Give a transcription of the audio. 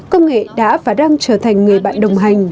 công nghệ đã và đang trở thành người bạn đồng hành